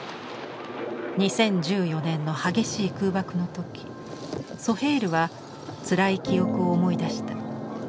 ２０１４年の激しい空爆のときソヘイルはつらい記憶を思い出した。